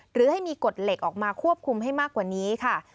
หรือให้มีกฎเหล็กออกมาควบคุมให้มากกว่านี้ค่ะ